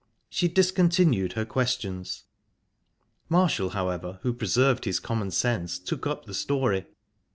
She discontinued her questions. Marshall, however, who preserved his common sense, took up the story.